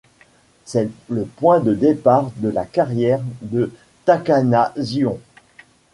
C'est le point de départ de la carrière de Takana Zion.